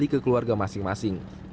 ke keluarga masing masing